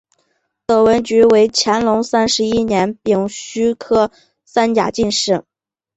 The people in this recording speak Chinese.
董文驹为乾隆三十一年丙戌科三甲进士。